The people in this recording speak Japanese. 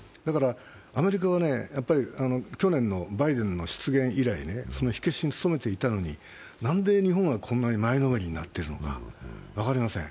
アメリカは、去年のバイデンの失言以来、火消しに努めていたのに何で日本はこんなに前のめりになっているのか分かりません。